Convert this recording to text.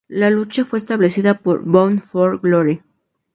La lucha fue establecida para Bound for Glory.